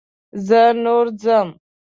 زه نور ځم.